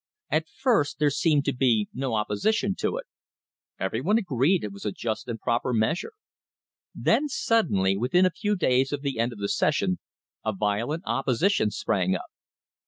At first there seemed to be no opposi tion to it. Everybody agreed it was a just and proper meas ure. Then, suddenly, within a few days of the end of the session, a violent opposition sprang up.